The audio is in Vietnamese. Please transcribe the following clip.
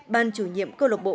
ban chủ nhiệm câu lạc bộ